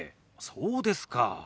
そうですか。